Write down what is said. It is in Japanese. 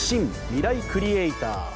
ミライクリエイター」。